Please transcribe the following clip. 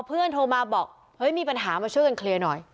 โทรมาบอกเฮ้ยมีปัญหามาช่วยกันเคลียร์หน่อย